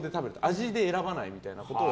味で選ばないみたいな感じで。